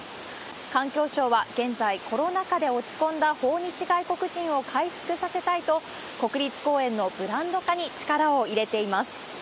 環境省は現在、コロナ禍で落ち込んだ訪日外国人を回復させたいと、国立公園のブランド化に力を入れています。